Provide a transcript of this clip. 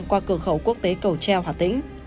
qua cửa khẩu quốc tế cầu treo hà tĩnh